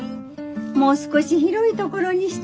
もう少し広いところにしたら？